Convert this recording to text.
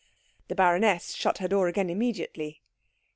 The baroness shut her door again immediately.